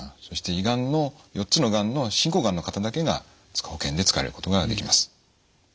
そして胃がんの４つのがんの進行がんの方だけが保険で使われることができます。